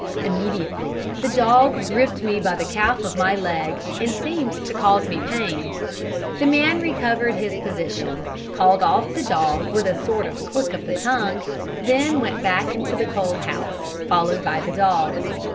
Immediately the dog gripped me by the calf of my leg, and seemed to cause me pain. The man recovered his position, called off the dog with a sort of click of the tongue, then went back into the coal house, followed by the dog.